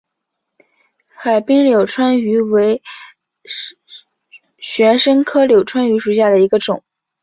海滨柳穿鱼为玄参科柳穿鱼属下的一个种。